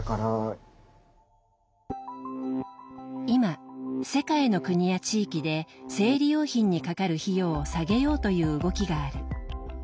今世界の国や地域で生理用品にかかる費用を下げようという動きがある。